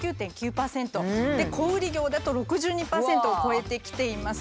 小売り業だと６２％を超えてきています。